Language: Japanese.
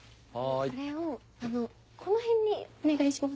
これをこの辺にお願いします。